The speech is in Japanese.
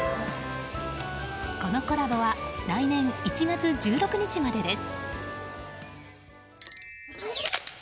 このコラボは来年１月１６日までです。